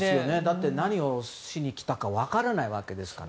何をしに来たか分からないわけですから。